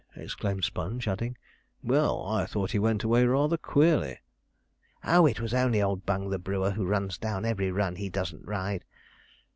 exclaimed Sponge, adding, 'well, I thought he went away rather queerly.' 'Oh, it was only old Bung the brewer, who runs down every run he doesn't ride.'